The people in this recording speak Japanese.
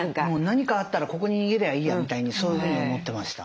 何かあったらここに逃げりゃいいやみたいにそういうふうに思ってました。